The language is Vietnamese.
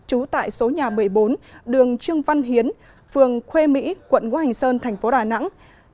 trú tại số nhà một mươi bốn đường trương văn hiến phường khuê mỹ quận ngũ hành sơn tp đà nẵng